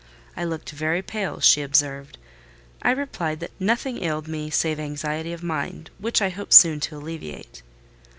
I looked very pale, she observed. I replied, that nothing ailed me save anxiety of mind, which I hoped soon to alleviate.